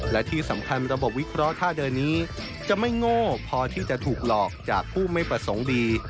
และที่สำคัญระบบวิเคราะห์ท่าเดินนี้จะไม่โง่พอที่จะถูกหลอกจากผู้ไม่ประสงค์ดี